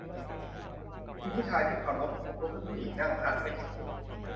คุณผู้ชายที่เคารพ ผมลุกให้ผู้หญิงนั่งฮะ ไม่ใช่คุณ